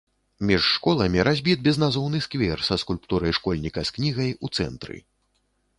Між школамі разбіт безназоўны сквер са скульптурай школьніка з кнігай у цэнтры.